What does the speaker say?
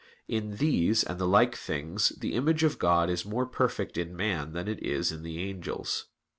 In these and the like things the image of God is more perfect in man than it is in the angels.